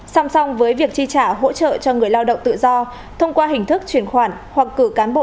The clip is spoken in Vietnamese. song song với việc chi trả hỗ trợ cho người lao động tự do thông qua hình thức chuyển khoản hoặc cử cán bộ